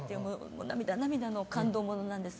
涙、涙の感動ものなんです。